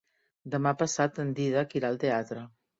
Demà passat en Dídac irà al teatre.